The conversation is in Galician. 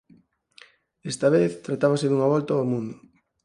Esta vez tratábase dunha volta ao mundo.